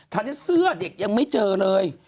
ที่เสื้อเด็กยังไม่เจอเลย